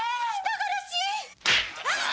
人殺しー！